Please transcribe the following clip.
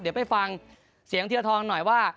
เดี๋ยวไปฟังเสียงเทียทองหน่อยว่า